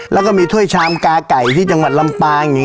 แล้วก็มีถ้วยชามกาไก่ที่จังหัวหนังล้ำปลา